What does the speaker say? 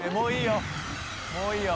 もういいよ